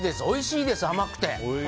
おいしいです、甘くて。